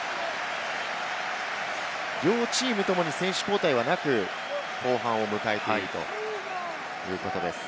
両チームともに選手交代はなく、後半を迎えているということです。